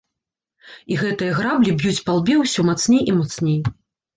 І гэтыя граблі б'юць па лбе ўсё мацней і мацней.